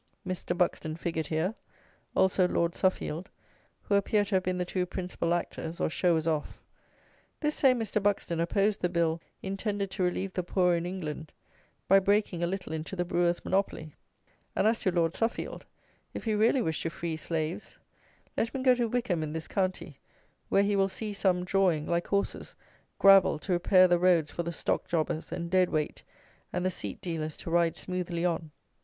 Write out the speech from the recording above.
Mr. Buxton figured here, also Lord Suffield, who appear to have been the two principal actors, or showers off. This same Mr. Buxton opposed the Bill intended to relieve the poor in England by breaking a little into the brewers' monopoly; and as to Lord Suffield, if he really wish to free slaves, let him go to Wykham in this county, where he will see some drawing, like horses, gravel to repair the roads for the stock jobbers and dead weight and the seat dealers to ride smoothly on.